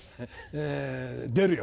え出るよ。